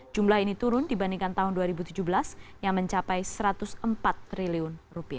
jumlah ini turun dibandingkan tahun dua ribu tujuh belas yang mencapai rp satu ratus empat triliun